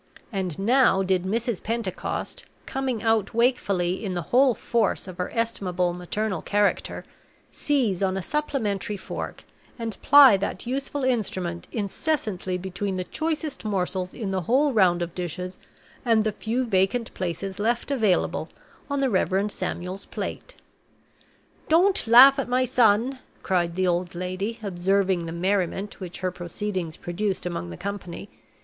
And now did Mrs. Pentecost, coming out wakefully in the whole force of her estimable maternal character, seize on a supplementary fork, and ply that useful instrument incessantly between the choicest morsels in the whole round of dishes, and the few vacant places left available on the Reverend Samuel's plate. "Don't laugh at my son," cried the old lady, observing the merriment which her proceedings produced among the company.